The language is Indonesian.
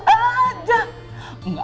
gak ada lauk yang lainnya